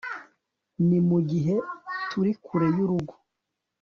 ni mugihe turi kure y'urugo